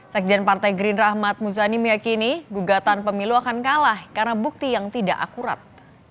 sekjen partai gerindra ahmad muzani meyakini gugatan pemilu akan kalah karena bukti yang tidak akurat